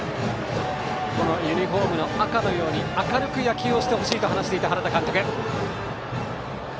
ユニフォームの赤のように明るく野球をしてほしいと話していた原田監督。